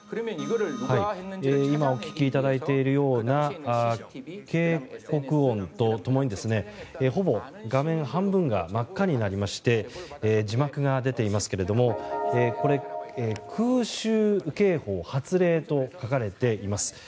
今お聞きいただいたような警告音と共にほぼ画面半分が真っ赤になりまして字幕が出ていますけどこれ、空襲警報発令と書かれています。